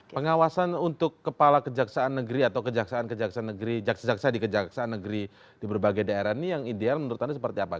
pengawasan untuk kepala kejaksaan negeri atau kejaksaan kejaksaan negeri jaksa jaksa di kejaksaan negeri di berbagai daerah ini yang ideal menurut anda seperti apa